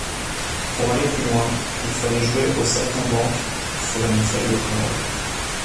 Pour aller plus loin, il fallait jouer au saltimbanque sur une échelle de corde.